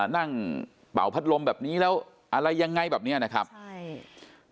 เป่าพัดลมแบบนี้แล้วอะไรยังไงแบบเนี้ยนะครับใช่